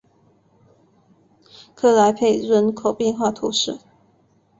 克雷佩人口变化图示